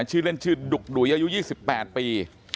ชื่อเล่นชื่อดุกดุยอายุ๒๘ปี